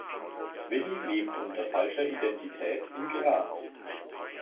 Willi lebt unter falscher Identität in Graz.